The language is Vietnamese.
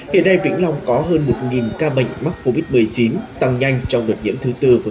hiện nay vĩnh long có hơn một ca bệnh mắc covid một mươi chín tăng nhanh trong đợt nhiễm thứ tư của